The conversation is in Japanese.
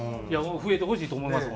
増えてほしいと思います